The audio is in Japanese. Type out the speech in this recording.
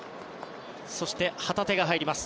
そして旗手が入ります。